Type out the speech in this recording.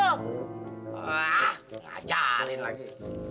wah ngajalin lagi